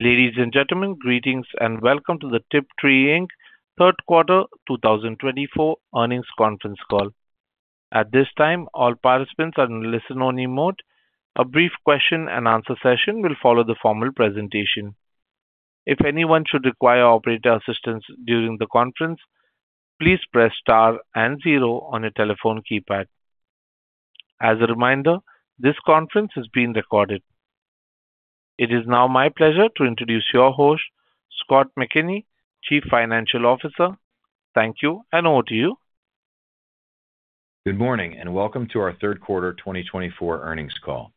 Ladies and gentlemen, greetings and welcome to the Tiptree Inc. Q3 2024 earnings conference call. At this time, all participants are in listen-only mode. A brief question-and-answer session will follow the formal presentation. If anyone should require operator assistance during the conference, please press * and *0 on your telephone keypad. As a reminder, this conference is being recorded. It is now my pleasure to introduce your host, Scott McKinney, Chief Financial Officer. Thank you and over to you. Good morning and welcome to our third quarter 2024 earnings call.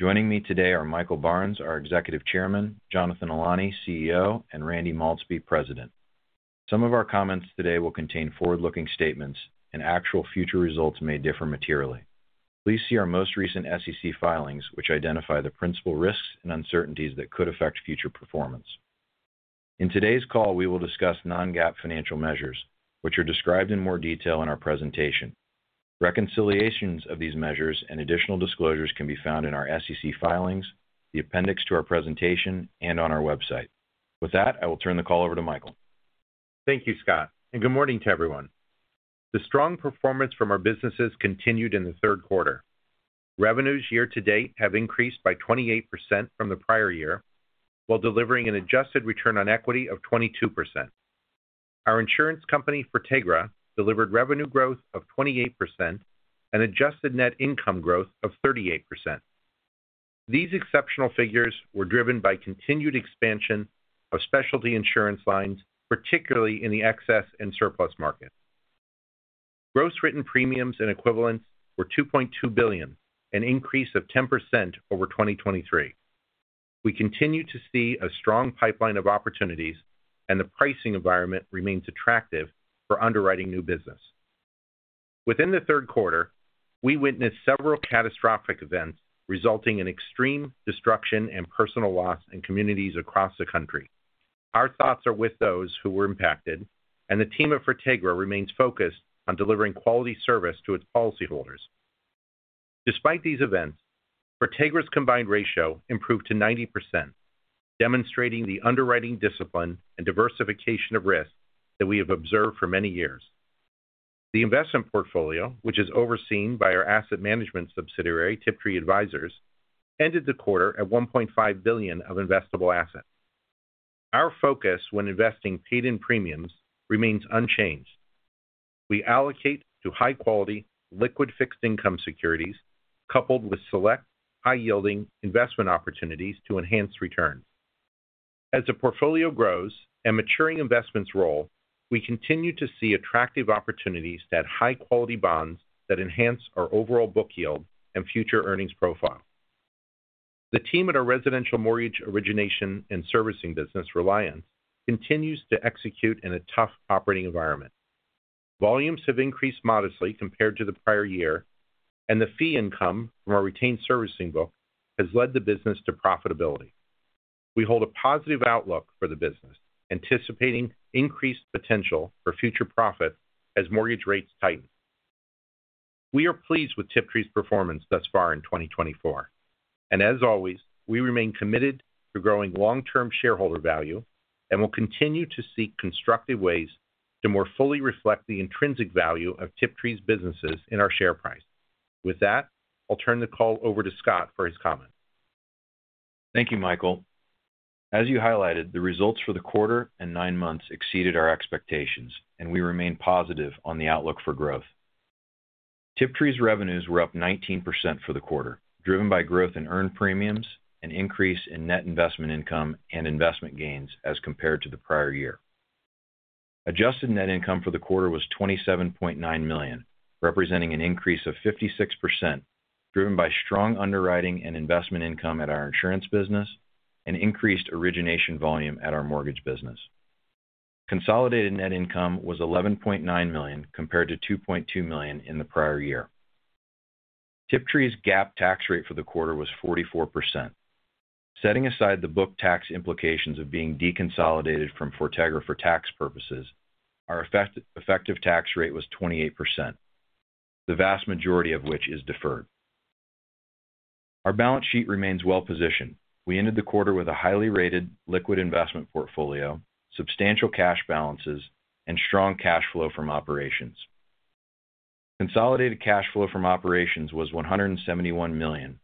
Joining me today are Michael Barnes, our Executive Chairman, Jonathan Ilany, CEO, and Randy Maultsby, President. Some of our comments today will contain forward-looking statements, and actual future results may differ materially. Please see our most recent SEC filings, which identify the principal risks and uncertainties that could affect future performance. In today's call, we will discuss non-GAAP financial measures, which are described in more detail in our presentation. Reconciliations of these measures and additional disclosures can be found in our SEC filings, the appendix to our presentation, and on our website. With that, I will turn the call over to Michael. Thank you, Scott, and good morning to everyone. The strong performance from our businesses continued in Q3. Revenues year-to-date have increased by 28% from the prior year, while delivering an adjusted return on equity of 22%. Our insurance company, Fortegra, delivered revenue growth of 28% and adjusted net income growth of 38%. These exceptional figures were driven by continued expansion of specialty insurance lines, particularly in the excess and surplus market. Gross written premiums and equivalents were $2.2 billion, an increase of 10% over 2023. We continue to see a strong pipeline of opportunities, and the pricing environment remains attractive for underwriting new business. Within Q3, we witnessed several catastrophic events resulting in extreme destruction and personal loss in communities across the country. Our thoughts are with those who were impacted, and the team at Fortegra remains focused on delivering quality service to its policyholders. Despite these events, Fortegra's combined ratio improved to 90%, demonstrating the underwriting discipline and diversification of risk that we have observed for many years. The investment portfolio, which is overseen by our asset management subsidiary, Tiptree Advisors, ended the quarter at $1.5 billion of investable assets. Our focus when investing paid-in premiums remains unchanged. We allocate to high-quality, liquid fixed-income securities, coupled with select, high-yielding investment opportunities to enhance returns. As the portfolio grows and maturing investments roll, we continue to see attractive opportunities to add high-quality bonds that enhance our overall book yield and future earnings profile. The team at our residential mortgage origination and servicing business, Reliance, continues to execute in a tough operating environment. Volumes have increased modestly compared to the prior year, and the fee income from our retained servicing book has led the business to profitability. We hold a positive outlook for the business, anticipating increased potential for future profit as mortgage rates tighten. We are pleased with Tiptree's performance thus far in 2024, and as always, we remain committed to growing long-term shareholder value and will continue to seek constructive ways to more fully reflect the intrinsic value of Tiptree's businesses in our share price. With that, I'll turn the call over to Scott for his comments. Thank you, Michael. As you highlighted, the results for quater and full year exceeded our expectations, and we remain positive on the outlook for growth. Tiptree's revenues were up 19% for quater, driven by growth in earned premiums and increase in net investment income and investment gains as compared to prior year. Adjusted net income for quater was $27.9 million, representing an increase of 56%, driven by strong underwriting and investment income at our insurance business and increased origination volume at our mortgage business. Consolidated net income was $11.9 million compared to $2.2 million in prior year. Tiptree's GAAP tax rate for quater was 44%. Setting aside the book tax implications of being deconsolidated from Fortegra for tax purposes, our effective tax rate was 28%, the vast majority of which is deferred. Our balance sheet remains well-positioned. We ended the quarter with a highly rated liquid investment portfolio, substantial cash balances, and strong cash flow from operations. Consolidated cash flow from operations was $171 million,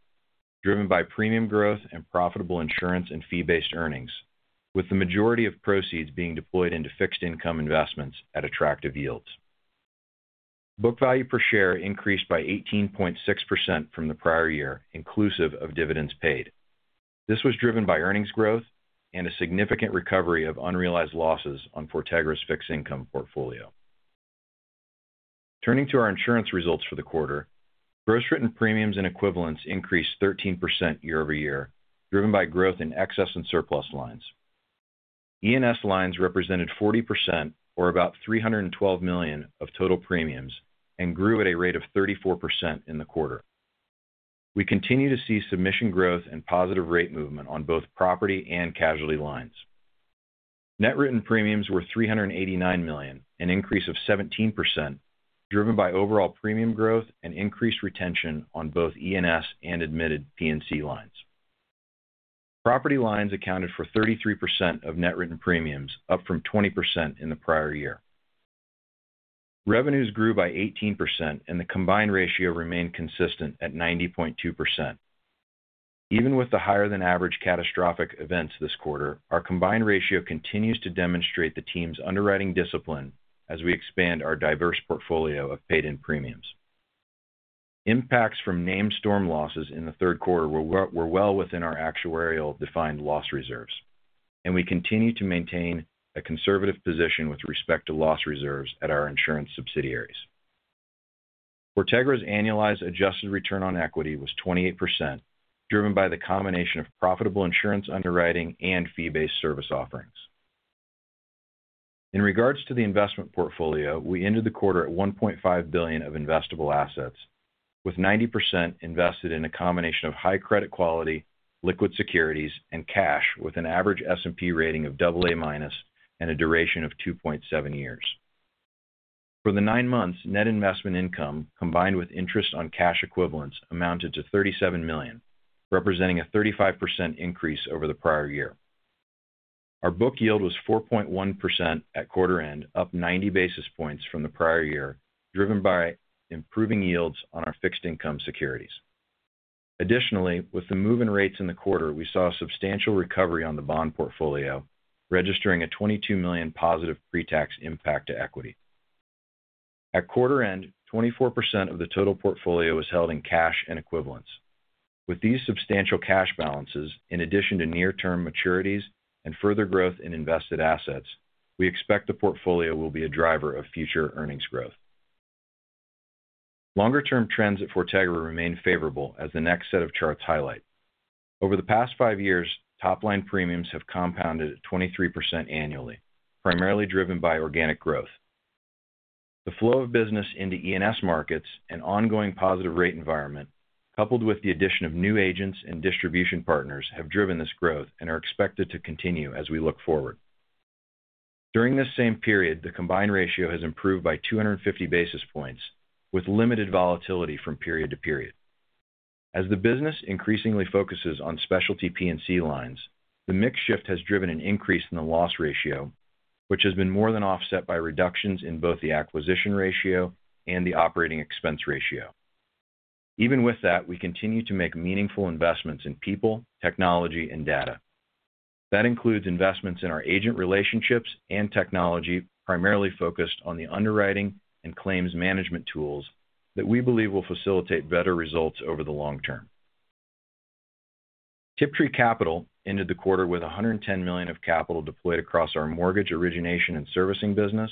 driven by premium growth and profitable insurance and fee-based earnings, with the majority of proceeds being deployed into fixed-income investments at attractive yields. Book value per share increased by 18.6% from prior year, inclusive of dividends paid. This was driven by earnings growth and a significant recovery of unrealized losses on Fortegra's fixed-income portfolio. Turning to our insurance results for quater, gross written premiums and equivalents increased 13% year-over-year, driven by growth in excess and surplus lines. E&S lines represented 40%, or about $312 million, of total premiums and grew at a rate of 34% in quater. We continue to see submission growth and positive rate movement on both property and casualty lines. Net written premiums were $389 million, an increase of 17%, driven by overall premium growth and increased retention on both E&S and admitted P&C lines. Property lines accounted for 33% of net written premiums, up from 20% prior year. revenues grew by 18%, and the combined ratio remained consistent at 90.2%. Even with the higher-than-average catastrophic events this quarter, our combined ratio continues to demonstrate the team's underwriting discipline as we expand our diverse portfolio of paid-in premiums. Impacts from named storm losses in quater were well within our actuarial-defined loss reserves, and we continue to maintain a conservative position with respect to loss reserves at our insurance subsidiaries. Fortegra's annualized adjusted return on equity was 28%, driven by the combination of profitable insurance underwriting and fee-based service offerings. In regards to the investment portfolio, we ended the quarter at $1.5 billion of investable assets, with 90% invested in a combination of high-credit quality, liquid securities, and cash, with an average S&P rating of AA- and a duration of 2.7 years. For nine months, net investment income combined with interest on cash equivalents amounted to $37 million, representing a 35% increase prior year. our book yield was 4.1% at quarter end, up 90 basis points prior year, driven by improving yields on our fixed-income securities. Additionally, with the move in rates in quater, we saw a substantial recovery on the bond portfolio, registering a $22 million positive pre-tax impact to equity. At quarter end, 24% of the total portfolio was held in cash and equivalents. With these substantial cash balances, in addition to near-term maturities and further growth in invested assets, we expect the portfolio will be a driver of future earnings growth. Longer-term trends at Fortegra remain favorable, as the next set of charts highlights. Over the past five years, top-line premiums have compounded at 23% annually, primarily driven by organic growth. The flow of business into E&S markets and ongoing positive rate environment, coupled with the addition of new agents and distribution partners, have driven this growth and are expected to continue as we look forward. During this same period, the combined ratio has improved by 250 basis points, with limited volatility from period to period. As the business increasingly focuses on specialty P&C lines, the mix shift has driven an increase in the loss ratio, which has been more than offset by reductions in both the acquisition ratio and the operating expense ratio. Even with that, we continue to make meaningful investments in people, technology, and data. That includes investments in our agent relationships and technology, primarily focused on the underwriting and claims management tools that we believe will facilitate better results over the long term. Tiptree Capital ended the quarter with $110 million of capital deployed across our mortgage origination and servicing business,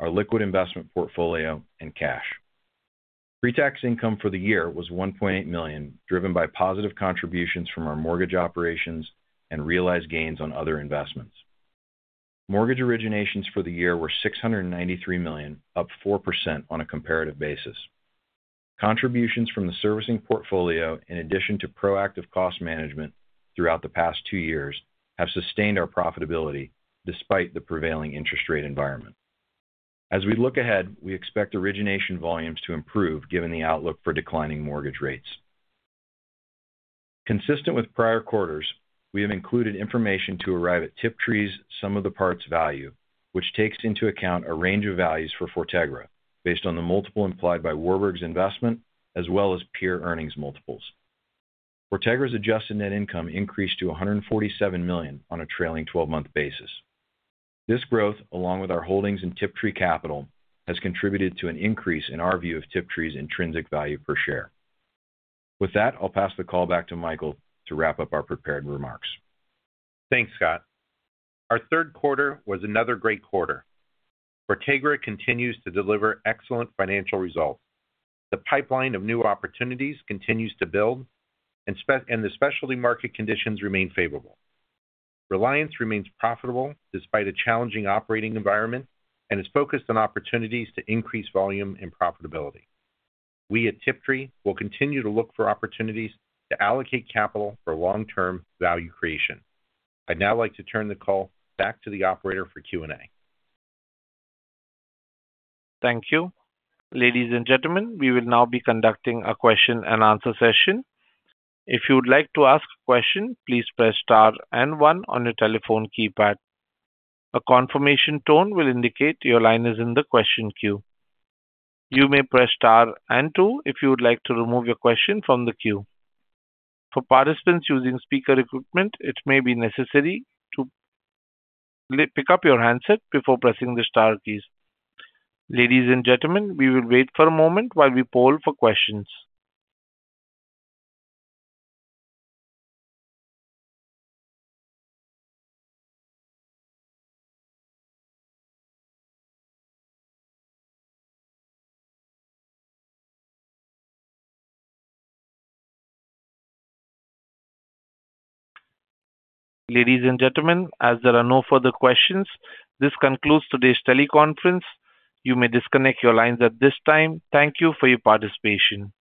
our liquid investment portfolio, and cash. Pre-tax income prior year was $1.8 million, driven by positive contributions from our mortgage operations and realized gains on other investments. Mortgage originations prior year were $693 million, up 4% on a comparative basis. Contributions from the servicing portfolio, in addition to proactive cost management throughout the past two years, have sustained our profitability despite the prevailing interest rate environment. As we look ahead, we expect origination volumes to improve given the outlook for declining mortgage rates. Consistent with prior quaters, we have included information to arrive at Tiptree's Sum of the Parts value, which takes into account a range of values for Fortegra based on the multiples implied by Warburg's investment as well as peer earnings multiples. Fortegra's adjusted net income increased to $147 million on a trailing 12-month basis. This growth, along with our holdings in Tiptree Capital, has contributed to an increase in our view of Tiptree's intrinsic value per share. With that, I'll pass the call back to Michael to wrap up our prepared remarks. Thanks, Scott. Our third quarter was another great quarter. Fortegra continues to deliver excellent financial results. The pipeline of new opportunities continues to build, and the specialty market conditions remain favorable. Reliance remains profitable despite a challenging operating environment and is focused on opportunities to increase volume and profitability. We at Tiptree will continue to look for opportunities to allocate capital for long-term value creation. I'd now like to turn the call back to the operator for Q&A. Thank you. Ladies and gentlemen, we will now be conducting a question-and-answer session. If you would like to ask a question, please Press Star and 1 on your telephone keypad. A confirmation tone will indicate your line is in the question queue. You may press Star and 2 if you would like to remove your question from the queue. For participants using speaker equipment, it may be necessary to pick up your handset before pressing the Star keys. Ladies and gentlemen, we will wait for a moment while we poll for questions. Ladies and gentlemen, as there are no further questions, this concludes today's teleconference. You may disconnect your lines at this time. Thank you for your participation.